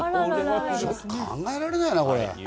考えられないな、これ。